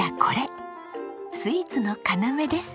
スイーツの要です。